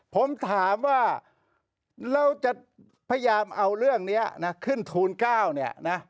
ผมถามว่าเราจะพยายามเอาเรื่องนี้นะขึ้นทูล๙เนี่ยนะ